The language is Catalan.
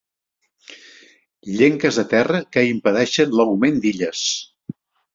Llenques de terra que impedeixen l'augment d'illes.